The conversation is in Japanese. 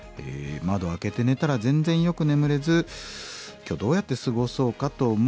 「窓を開けて寝たら全然よく眠れず今日どうやって過ごそうかと思う朝の目覚め。